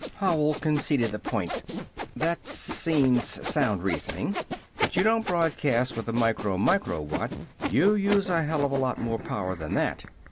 Howell conceded the point. "That seems sound reasoning." "But you don't broadcast with a micro micro watt. You use a hell of a lot more power than that!